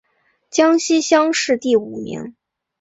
江西乡试第五名。